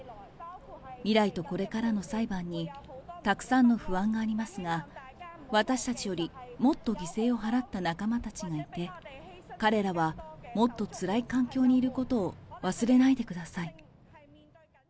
未来とこれからの裁判に、たくさんの不安がありますが、私たちよりもっと犠牲を払った仲間たちがいて、彼らはもっとつらい環境にいることを忘れないでください。